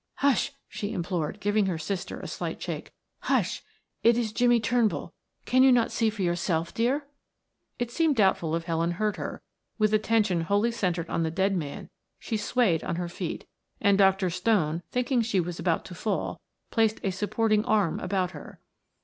"Hush!" she implored, giving her sister a slight shake. "Hush! It is Jimmie Turnbull. Can you not see for yourself, dear?" It seemed doubtful if Helen heard her; with attention wholly centered on the dead man she swayed on her feet, and Dr. Stone, thinking she was about to fall, placed a supporting arm about her.